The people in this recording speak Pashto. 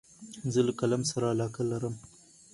زه له قلم سره علاقه لرم.